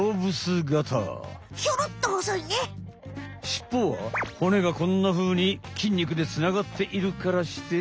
しっぽは骨がこんなふうに筋肉でつながっているからして。